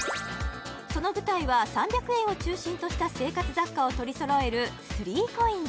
その舞台は３００円を中心とした生活雑貨を取りそろえる